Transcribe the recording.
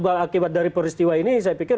nah ini sebab akibat dari peristiwa ini saya pikir